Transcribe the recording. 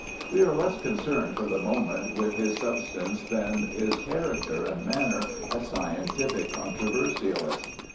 We are less concerned for the moment with his substance than with his character and manner as scientific controversialist.